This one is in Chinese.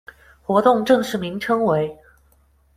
活动正式名称为「」。